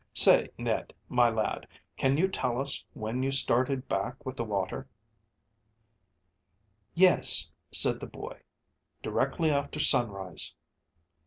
Say, Ned, my lad, can you tell us when you started back with the water?" "Yes," said the boy; "directly after sunrise."